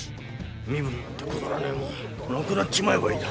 身分なんてくだらねえもんなくなっちまえばいいだ。